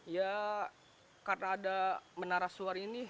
ya karena ada menara suar ini